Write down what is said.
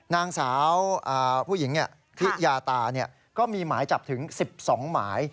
นางสาวผู้หญิงพิยาตาก็มีหมายจับถึง๑๒หมาย